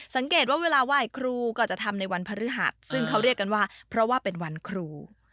สังเกตว่าเวลาไหว้ครูก็จะทำในวันพฤหัสซึ่งเขาเรียกกันว่าเพราะว่าเป็นวันครู